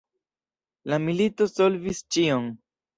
La milito solvis ĉion.